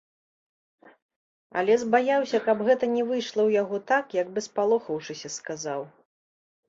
Але збаяўся, каб гэта не выйшла ў яго так, як бы спалохаўшыся сказаў.